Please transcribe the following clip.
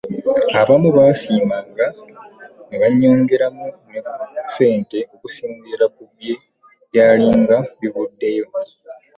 Abamu baasimanga ne bannyongeramu ne ku ssente okusinziira ku bwe byalinga bivuddeyo!